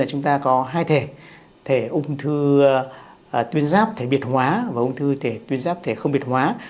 chúng ta có hai thể thể ung thư tuyến ráp thể biệt hóa và ung thư thể tuyến ráp thể không biệt hóa